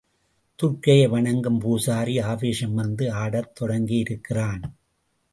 துர்க்கையை வணங்கும் பூசாரி ஆவேசம் வந்து ஆடத் தொடங்கியிருக்கிறான்.